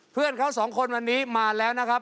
เพื่อนเขาสองคนวันนี้มาแล้วนะครับ